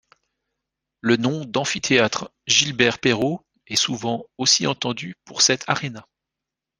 Le nom d'Amphithéâtre Gilbert Perreault est souvent aussi entendu pour cet aréna.